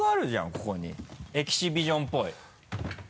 ここにエキシビションっぽい。